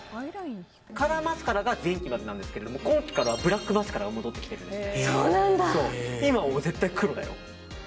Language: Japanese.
カラーマスカラが前期までなんですけど今はブラックマスカラが戻ってきてるんですよ。